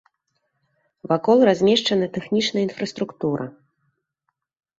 Вакол размешчана тэхнічная інфраструктура.